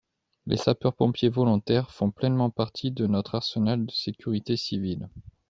Les sapeurs-pompiers volontaires font pleinement partie de notre arsenal de sécurité civile.